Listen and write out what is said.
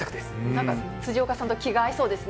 なんか辻岡さんと気が合いそうですね。